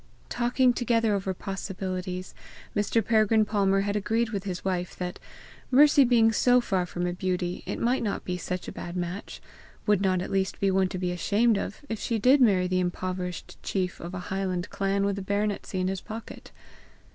Talking together over possibilities, Mr. Peregrine Palmer had agreed with his wife that, Mercy being so far from a beauty, it might not be such a bad match, would not at least be one to be ashamed of, if she did marry the impoverished chief of a highland clan with a baronetcy in his pocket.